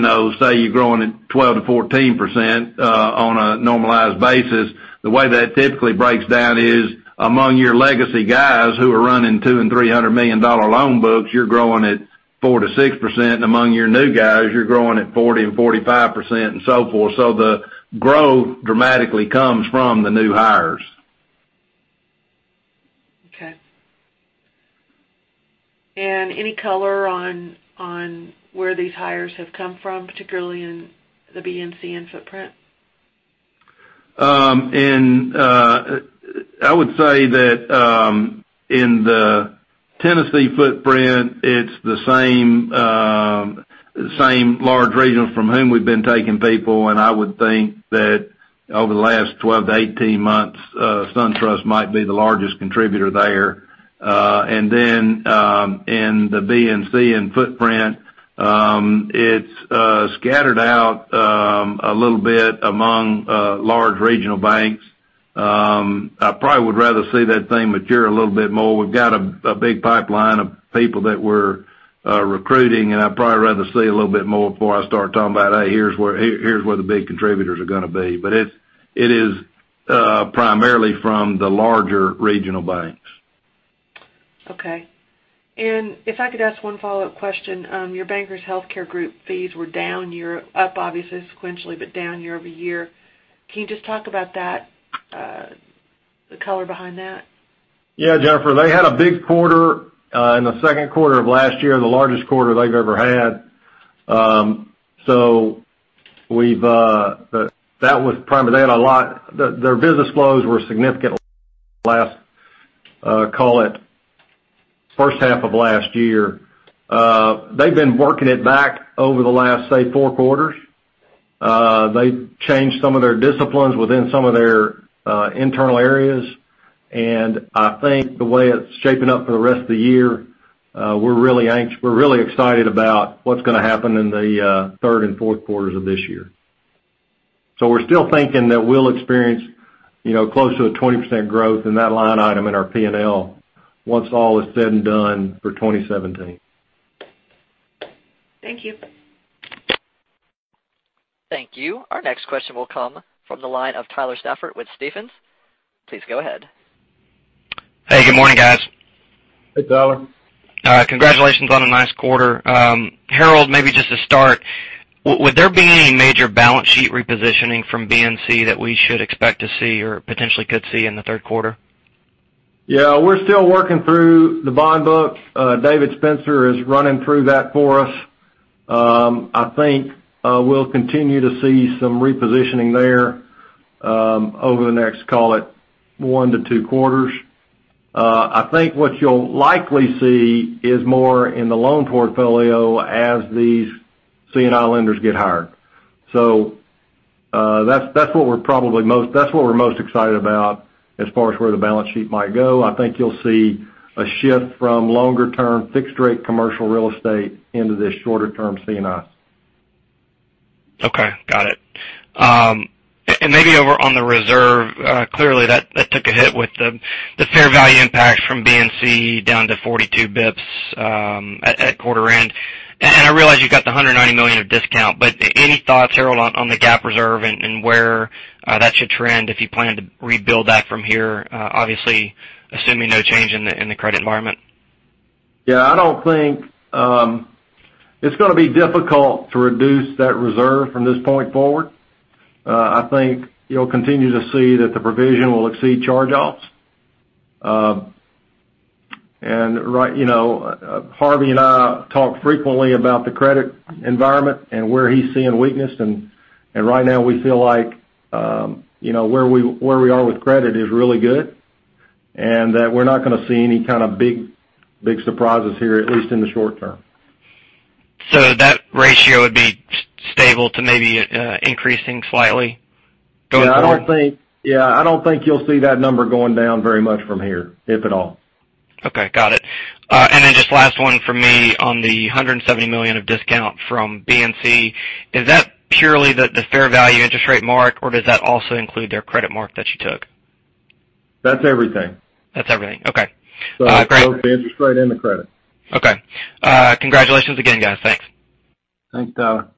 you're growing at 12%-14% on a normalized basis, the way that typically breaks down is among your legacy guys who are running $200 million and $300 million loan books, you're growing at 4%-6%, and among your new guys, you're growing at 40% and 45% and so forth. The growth dramatically comes from the new hires. Okay. Any color on where these hires have come from, particularly in the BNCN footprint? I would say that in the Tennessee footprint, it's the same large regions from whom we've been taking people. I would think that over the last 12 to 18 months, SunTrust might be the largest contributor there. In the BNCN footprint It's scattered out a little bit among large regional banks. I probably would rather see that thing mature a little bit more. We've got a big pipeline of people that we're recruiting, and I'd probably rather see a little bit more before I start talking about, "Hey, here's where the big contributors are going to be." It is primarily from the larger regional banks. Okay. If I could ask one follow-up question. Your Bankers Healthcare Group fees were up obviously sequentially, but down year-over-year. Can you just talk about that, the color behind that? Yeah, Jennifer, they had a big quarter in the second quarter of last year, the largest quarter they've ever had. Their business flows were significant call it first half of last year. They've been working it back over the last, say, four quarters. They changed some of their disciplines within some of their internal areas, and I think the way it's shaping up for the rest of the year, we're really excited about what's going to happen in the third and fourth quarters of this year. We're still thinking that we'll experience close to a 20% growth in that line item in our P&L once all is said and done for 2017. Thank you. Thank you. Our next question will come from the line of Tyler Stafford with Stephens. Please go ahead. Hey, good morning, guys. Hey, Tyler. Congratulations on a nice quarter. Harold, maybe just to start, would there be any major balance sheet repositioning from BNC that we should expect to see or potentially could see in the third quarter? Yeah, we're still working through the bond books. David Spencer is running through that for us. I think we'll continue to see some repositioning there, over the next, call it one to two quarters. I think what you'll likely see is more in the loan portfolio as these C&I lenders get hired. That's what we're most excited about as far as where the balance sheet might go. I think you'll see a shift from longer-term fixed-rate commercial real estate into the shorter-term C&I. Okay. Got it. Maybe over on the reserve, clearly that took a hit with the fair value impact from BNC down to 42 basis points at quarter end. I realize you've got the $192 million of discount, any thoughts, Harold, on the GAAP reserve and where that should trend if you plan to rebuild that from here, obviously assuming no change in the credit environment? Yeah, it's going to be difficult to reduce that reserve from this point forward. I think you'll continue to see that the provision will exceed charge-offs. Harvey and I talk frequently about the credit environment and where he's seeing weakness, and right now we feel like where we are with credit is really good, and that we're not going to see any kind of big surprises here, at least in the short term. That ratio would be stable to maybe increasing slightly going forward? Yeah, I don't think you'll see that number going down very much from here, if at all. Okay, got it. Then just last one from me on the $170 million of discount from BNC. Is that purely the fair value interest rate mark, or does that also include their credit mark that you took? That's everything. That's everything. Okay. Great. Both the interest rate and the credit. Okay. Congratulations again, guys. Thanks. Thanks, Tyler.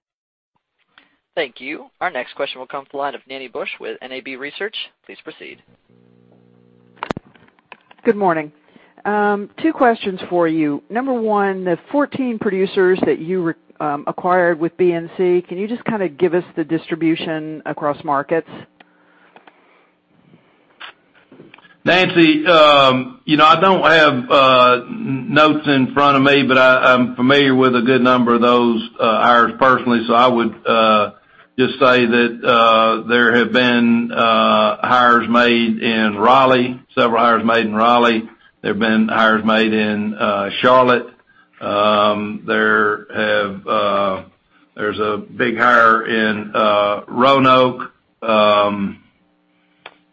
Thank you. Our next question will come from the line of Nancy Bush with NAB Research. Please proceed. Good morning. Two questions for you. Number one, the 14 producers that you acquired with BNC, can you just kind of give us the distribution across markets? Nancy, I don't have notes in front of me, I'm familiar with a good number of those hires personally. I would just say that there have been hires made in Raleigh, several hires made in Raleigh. There've been hires made in Charlotte. There's a big hire in Roanoke.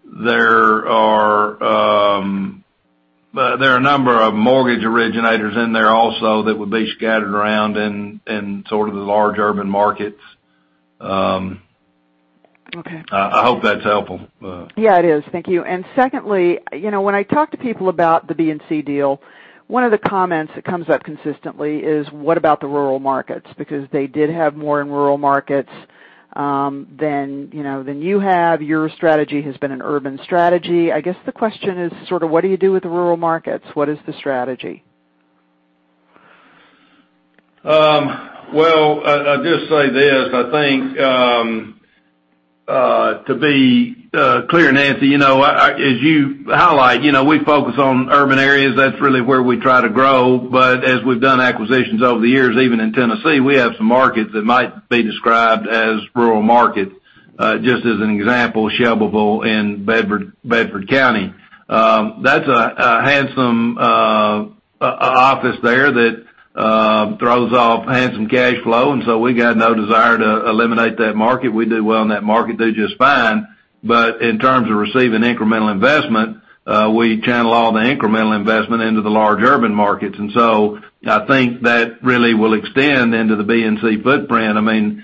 There are a number of mortgage originators in there also that would be scattered around in sort of the large urban markets. Okay. I hope that's helpful. It is. Thank you. Secondly, when I talk to people about the BNC deal, one of the comments that comes up consistently is, what about the rural markets? Because they did have more in rural markets than you have. Your strategy has been an urban strategy. I guess the question is sort of what do you do with the rural markets? What is the strategy? Well, I'll just say this, I think to be clear, Nancy, as you highlight, we focus on urban areas. That's really where we try to grow. As we've done acquisitions over the years, even in Tennessee, we have some markets that might be described as rural markets. Just as an example, Shelbyville and Bedford County. That's a handsome office there that throws off handsome cash flow, we got no desire to eliminate that market. We do well in that market, do just fine. In terms of receiving incremental investment, we channel all the incremental investment into the large urban markets. I think that really will extend into the BNC footprint.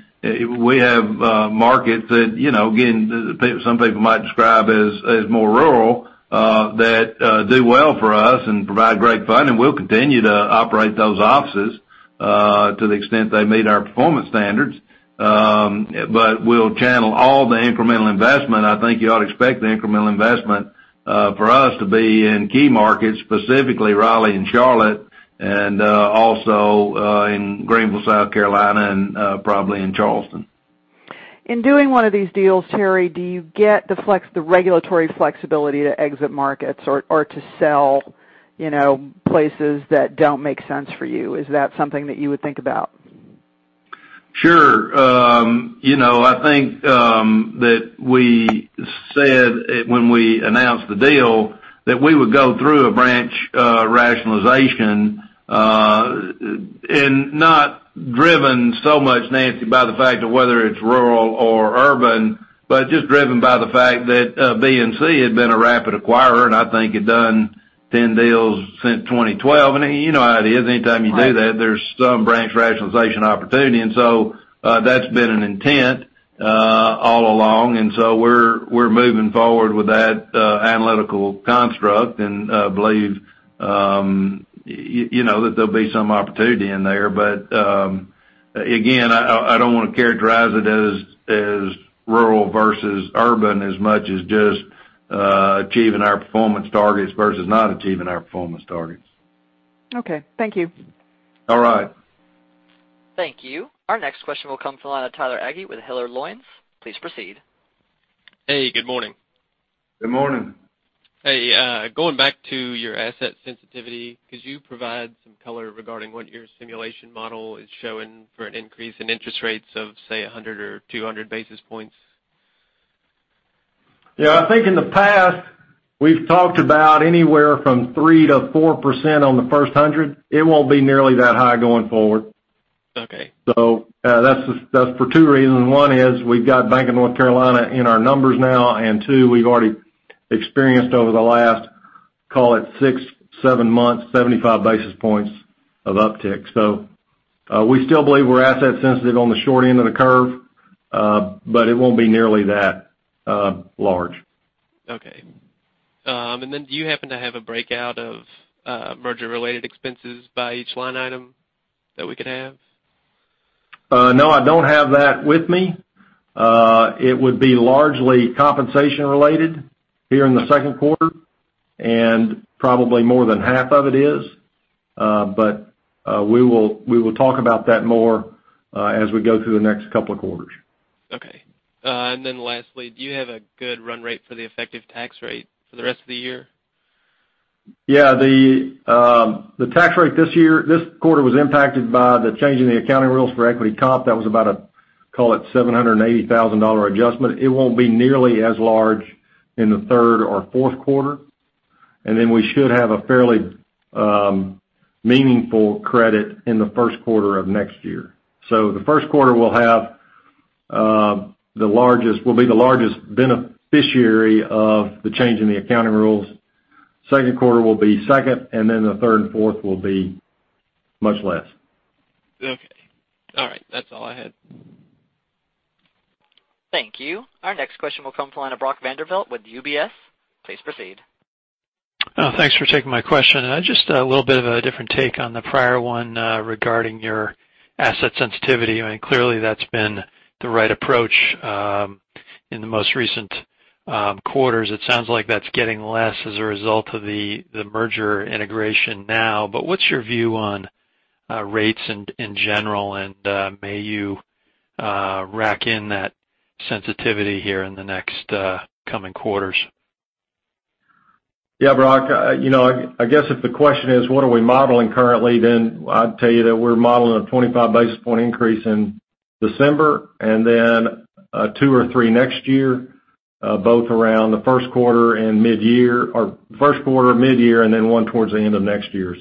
We have markets that, again, some people might describe as more rural, that do well for us and provide great funding. We'll continue to operate those offices to the extent they meet our performance standards. We'll channel all the incremental investment, I think you ought to expect the incremental investment, for us to be in key markets, specifically Raleigh and Charlotte, also in Greenville, South Carolina, and probably in Charleston. In doing one of these deals, Terry, do you get the regulatory flexibility to exit markets or to sell places that don't make sense for you? Is that something that you would think about? Sure. I think that we said when we announced the deal that we would go through a branch rationalization, not driven so much, Nancy, by the fact of whether it's rural or urban, just driven by the fact that BNC had been a rapid acquirer and I think had done 10 deals since 2012. You know how it is. Anytime you do that, there's some branch rationalization opportunity. That's been an intent all along. We're moving forward with that analytical construct and believe that there'll be some opportunity in there. But, again, I don't want to characterize it as rural versus urban, as much as just achieving our performance targets versus not achieving our performance targets. Okay. Thank you. All right. Thank you. Our next question will come from the line of Tyler Agee with Hilliard Lyons. Please proceed. Hey, good morning. Good morning. Hey, going back to your asset sensitivity, could you provide some color regarding what your simulation model is showing for an increase in interest rates of, say, 100 or 200 basis points? Yeah. I think in the past, we've talked about anywhere from 3%-4% on the first 100. It won't be nearly that high going forward. Okay. That's for two reasons. One is we've got Bank of North Carolina in our numbers now, and two, we've already experienced over the last, call it six, seven months, 75 basis points of uptick. We still believe we're asset sensitive on the short end of the curve, but it won't be nearly that large. Okay. Do you happen to have a breakout of merger-related expenses by each line item that we could have? No, I don't have that with me. It would be largely compensation related here in the second quarter and probably more than half of it is. We will talk about that more as we go through the next couple of quarters. Okay. Lastly, do you have a good run rate for the effective tax rate for the rest of the year? The tax rate this quarter was impacted by the change in the accounting rules for equity comp. That was about a, call it $780,000 adjustment. It won't be nearly as large in the third or fourth quarter. We should have a fairly meaningful credit in the first quarter of next year. The first quarter will be the largest beneficiary of the change in the accounting rules. Second quarter will be second, and the third and fourth will be much less. Okay. All right. That's all I had. Thank you. Our next question will come from the line of Brock Vandervliet with UBS. Please proceed. Thanks for taking my question. Just a little bit of a different take on the prior one regarding your asset sensitivity. Clearly, that's been the right approach in the most recent quarters. It sounds like that's getting less as a result of the merger integration now. What's your view on rates in general, and may you rack in that sensitivity here in the next coming quarters? Yeah, Brock. I guess if the question is, what are we modeling currently, then I'd tell you that we're modeling a 25 basis point increase in December, and then two or three next year, both around the first quarter and mid-year, or first quarter, mid-year, and then one towards the end of next year.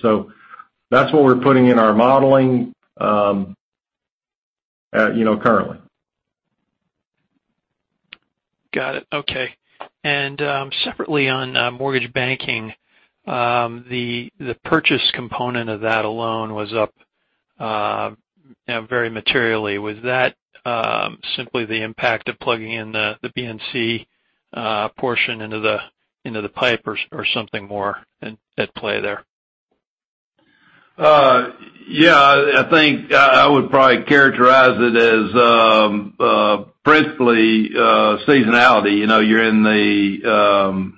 That's what we're putting in our modeling currently. Got it. Okay. Separately on mortgage banking, the purchase component of that alone was up very materially. Was that simply the impact of plugging in the BNC portion into the pipe or something more at play there? Yeah, I think I would probably characterize it as principally seasonality. You're in the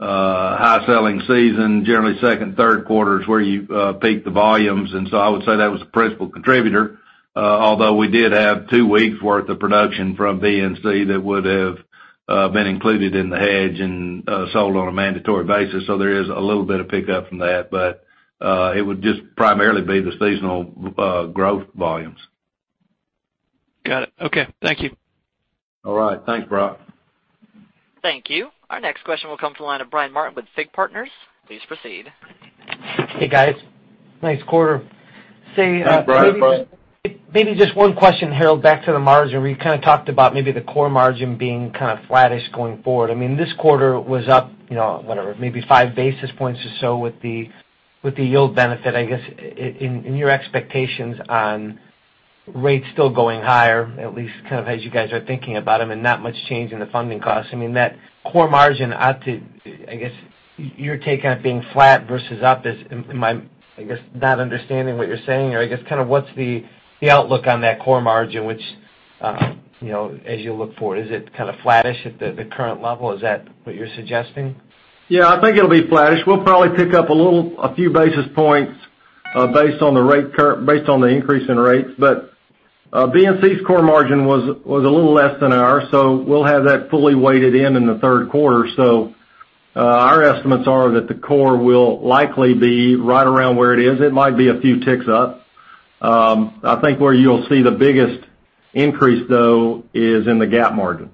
high selling season, generally second, third quarter is where you peak the volumes. I would say that was the principal contributor, although we did have two weeks worth of production from BNC that would have been included in the hedge and sold on a mandatory basis. There is a little bit of pickup from that. It would just primarily be the seasonal growth volumes. Got it. Okay. Thank you. All right. Thanks, Brock. Thank you. Our next question will come from the line of Brian Martin with FIG Partners. Please proceed. Hey, guys. Nice quarter. Say, maybe just one question, Harold, back to the margin, where you kind of talked about maybe the core margin being kind of flattish going forward. This quarter was up, whatever, maybe five basis points or so with the yield benefit. I guess, in your expectations on rates still going higher, at least kind of as you guys are thinking about them, and not much change in the funding costs. That core margin ought to I guess, your take on it being flat versus up is am I guess, not understanding what you're saying? Or I guess, kind of what's the outlook on that core margin, which, as you look forward, is it kind of flattish at the current level? Is that what you're suggesting? Yeah, I think it'll be flattish. We'll probably pick up a few basis points based on the increase in rates. BNC's core margin was a little less than ours, so we'll have that fully weighted in in the third quarter. Our estimates are that the core will likely be right around where it is. It might be a few ticks up. I think where you'll see the biggest increase, though, is in the GAAP margin.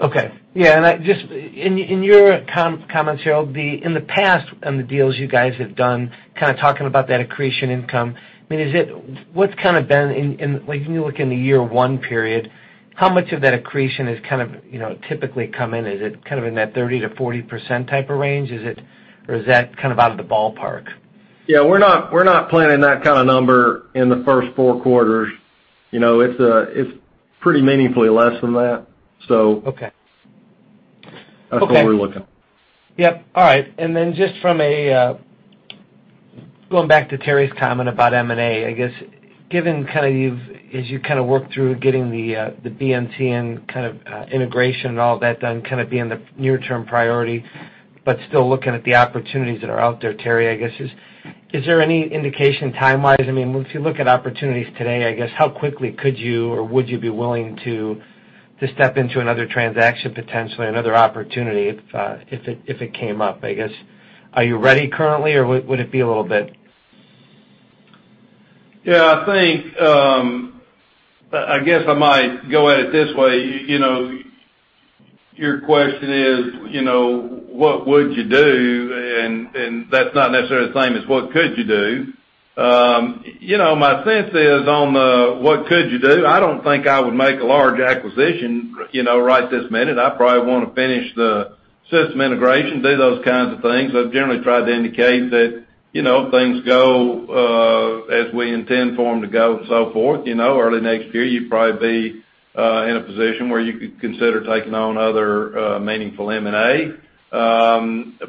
Okay. Yeah, just in your comments, Harold, in the past, on the deals you guys have done, kind of talking about that accretion income, when you look in the year one period, how much of that accretion has kind of typically come in? Is it kind of in that 30%-40% type of range? Is that kind of out of the ballpark? Yeah, we're not planning that kind of number in the first four quarters. It's pretty meaningfully less than that. Okay That's what we're looking. Yep. All right. Just going back to Terry's comment about M&A, I guess, as you kind of work through getting the BNC and kind of integration and all that done, kind of being the near-term priority, but still looking at the opportunities that are out there, Terry, I guess, is there any indication time-wise? If you look at opportunities today, I guess, how quickly could you, or would you be willing to step into another transaction, potentially another opportunity if it came up? I guess, are you ready currently, or would it be a little bit? Yeah. I guess I might go at it this way. Your question is, what would you do, and that's not necessarily the same as what could you do. My sense is on the what could you do, I don't think I would make a large acquisition right this minute. I probably want to finish the system integration, do those kinds of things. I've generally tried to indicate that, if things go as we intend for them to go and so forth, early next year, you'd probably be in a position where you could consider taking on other meaningful M&A.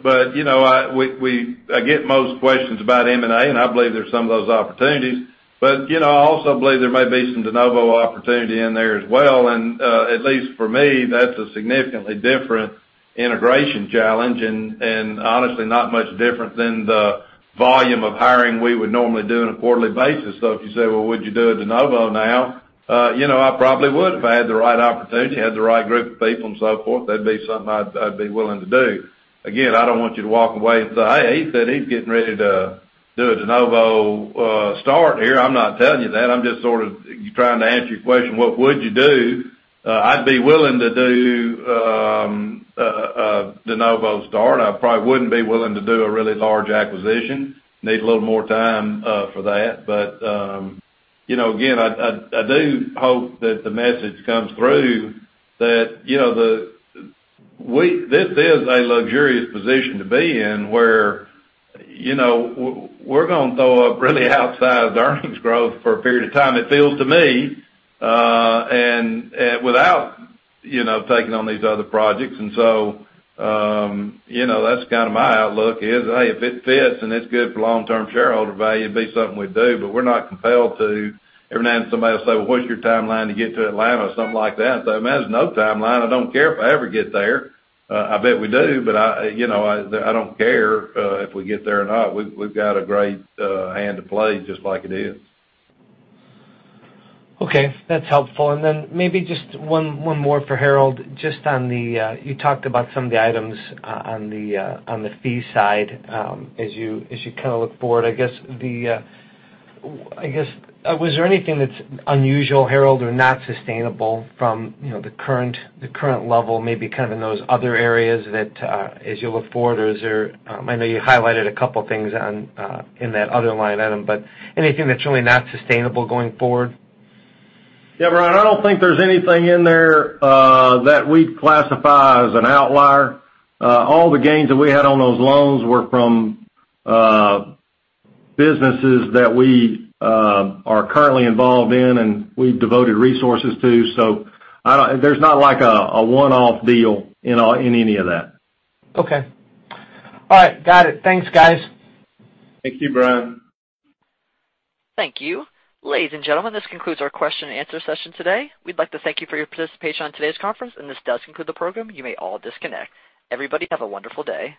I get most questions about M&A, I believe there's some of those opportunities. I also believe there may be some de novo opportunity in there as well, and, at least for me, that's a significantly different integration challenge, and honestly, not much different than the volume of hiring we would normally do on a quarterly basis. If you say, "Well, would you do a de novo now?" I probably would if I had the right opportunity, had the right group of people, and so forth. That'd be something I'd be willing to do. Again, I don't want you to walk away and say, "Hey, he said he's getting ready to do a de novo start here." I'm not telling you that. I'm just sort of trying to answer your question, what would you do? I'd be willing to do a de novo start. I probably wouldn't be willing to do a really large acquisition. Need a little more time for that. Again, I do hope that the message comes through that this is a luxurious position to be in, where we're going to throw up really outsized earnings growth for a period of time, it feels to me, and without taking on these other projects. That's kind of my outlook is, hey, if it fits and it's good for long-term shareholder value, it'd be something we'd do. We're not compelled to. Every now and then somebody will say, "Well, what's your timeline to get to Atlanta?" Or something like that. I say, "Man, there's no timeline. I don't care if I ever get there." I bet we do, but I don't care if we get there or not. We've got a great hand to play just like it is. Okay. That's helpful. Maybe just one more for Harold, just on the You talked about some of the items on the fee side as you kind of look forward. I guess, was there anything that's unusual, Harold, or not sustainable from the current level, maybe kind of in those other areas that as you look forward? I know you highlighted a couple of things in that other line item, anything that's really not sustainable going forward? Yeah, Brian, I don't think there's anything in there that we'd classify as an outlier. All the gains that we had on those loans were from businesses that we are currently involved in, and we've devoted resources to. There's not like a one-off deal in any of that. Okay. All right. Got it. Thanks, guys. Thank you, Brian. Thank you. Ladies and gentlemen, this concludes our question and answer session today. We'd like to thank you for your participation on today's conference, this does conclude the program. You may all disconnect. Everybody, have a wonderful day.